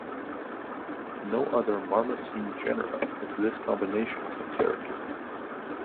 No other marmosine genera has this combination of characters.